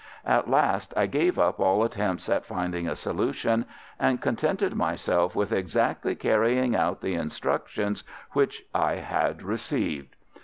At last I gave up all attempts at finding a solution, and contented myself with exactly carrying out the instructions which I had received.